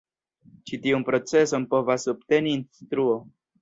Ĉi tiun proceson povas subteni instruo.